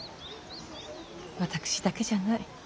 私だけじゃない。